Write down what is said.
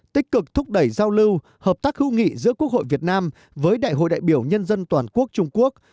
tích cực thúc đẩy giao lưu hợp tác hữu nghị giữa quốc hội việt nam với đại hội đại biểu nhân dân toàn quốc trung quốc